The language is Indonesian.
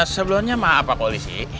sebelumnya maaf pak polisi